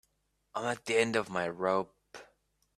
I'm at the end of my rope.